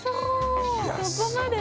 そこまで！？